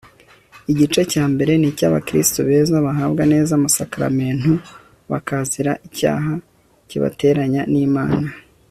igice cya mbere ni icy'abakristu beza, bahabwa neza amasakaramentu bakazira icyaha kibateranya n'imana